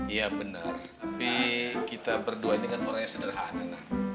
iya benar tapi kita berduanya kan orang yang sederhana nak